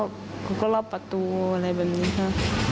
เขาก็รอบประตูอะไรแบบนี้ค่ะ